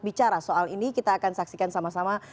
bicara soal ini kita akan saksikan sama sama